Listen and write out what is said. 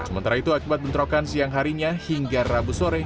sementara itu akibat bentrokan siang harinya hingga rabu sore